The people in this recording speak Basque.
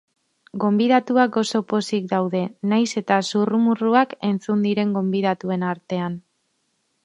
Gonbidatuak oso pozik daude naiz eta zurrumurruak entzuten diren gonbidatuen artean.